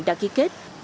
đã ký kết